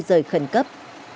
di rời khẩn cấp